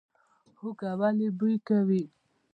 هوږه ولې بوی کوي؟